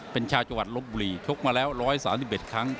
เป็นชาวจังหวัดลบบุรีชกมาแล้ว๑๓๑ครั้ง